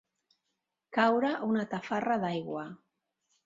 Caure una tafarra d'aigua.